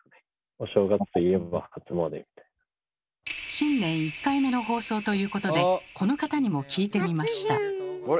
新年１回目の放送ということでこの方にも聞いてみました。